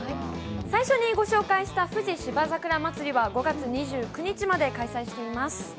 最初にご紹介した富士芝桜まつりは５月２９日まで開催しています。